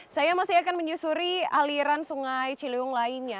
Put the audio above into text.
saya masih akan menyusuri aliran sungai ciliwung lainnya